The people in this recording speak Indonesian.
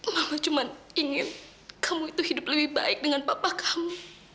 aku cuma ingin kamu itu hidup lebih baik dengan papa kamu